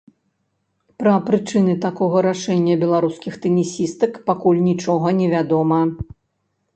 Пра прычыны такога рашэння беларускіх тэнісістак пакуль нічога невядома.